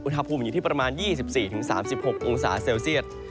อุณหภูมิอยู่ที่ประมาณ๒๔๓๖องศาเซลเซียต